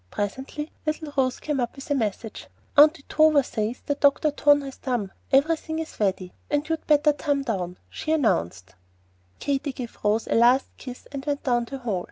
Presently little Rose came up with a message. "Aunty Tover says dat Dr. Tone has tum, and everything is weddy, and you'd better tum down," she announced. Katy gave Rose a last kiss, and went down the hall.